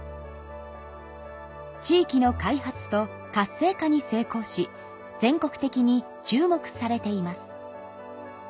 地域の開発と活性化に成功し全国的に注目されています。